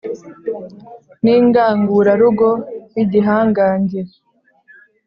n'ingangurarugo y'igihangange